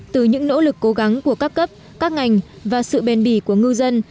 từ những nỗ lực cố gắng của các cấp các ngành và sự bền bỉ của ngư dân